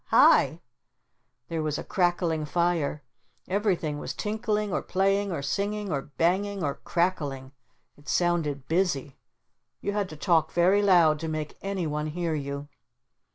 Hi!" There was a crackling fire. Everything was tinkling or playing or singing or banging or crackling. It sounded busy. You had to talk very loud to make any one hear you.